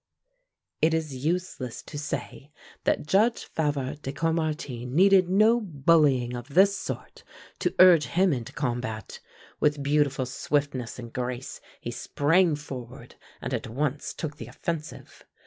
It is useless to say that Judge Favart de Caumartin needed no bullying of this sort to urge him into combat. With beautiful swiftness and grace he sprang forward and at once took the offensive.